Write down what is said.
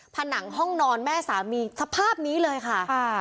ผนังห้องนอนแม่สามีสภาพนี้เลยค่ะ